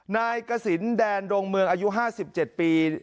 นายกสินแดนดงเมืองอายุ๕๗ปี